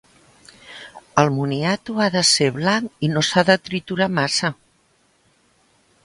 El moniato ha de ser blanc i no s'ha de triturar massa.